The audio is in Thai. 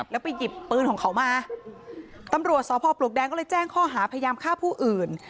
แล้วไปหยิบปืนของเขามาตำรวจสพปลวกแดงก็เลยแจ้งข้อหาพยายามฆ่าผู้อื่น